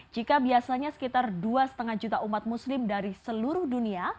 jika biasanya sekitar dua lima juta umat muslim dari seluruh dunia